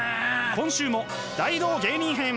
今週も大道芸人編！